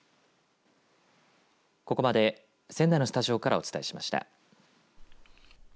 ここまで仙台のスタジオからお伝えしました。